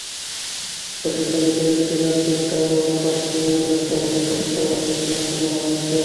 প্রশিক্ষণটিকে একটি nursing term এবং পাঁচটি মিডওয়াইফারি টার্মে বিভক্ত করা হয়েছে।